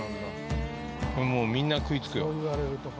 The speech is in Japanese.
これもう、みんな食いつくよ。